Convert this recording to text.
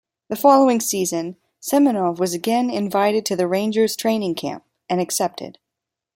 The following season, Semenov was again invited to the Rangers training camp, and accepted.